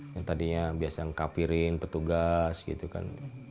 yang tadinya biasa ngekafirin petugas gitu kan